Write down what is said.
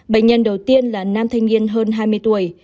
bệnh nhân đầu tiên là nam thanh niên hơn hai mươi tuổi